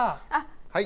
はい！